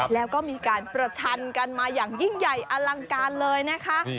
แล้วก็มีการประชันกันมาอย่างยิ่งใหญ่อลังการเลยนะคะ